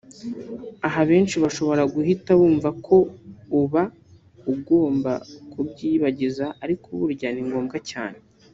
Aha benshi bashobora guhita bumva ko uba ugomba kubyiyibagiza ariko burya ni ngombwa cyane